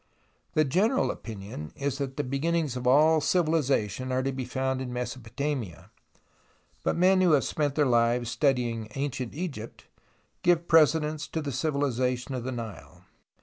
The general opinion is that the beginnings of all civilization are to be found in Mesopotamia, but men who have spent their lives studying ancient Egypt give precedence to the civilization of the Nile.